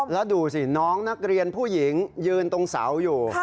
แล้วดูสิน้องนักเรียนผู้หญิงยืนตรงเสาอยู่